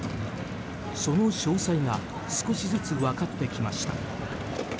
その詳細が少しずつ分かってきました。